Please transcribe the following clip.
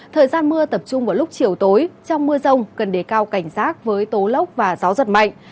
thời gian mưa tập trung vào lúc chiều tối trong mưa rông cần đề cao cảnh giác với tố lốc và gió giật mạnh